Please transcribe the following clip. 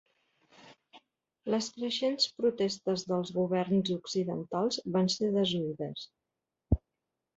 Les creixents protestes dels governs occidentals van ser desoïdes.